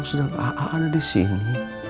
sedangkan a'a ada disini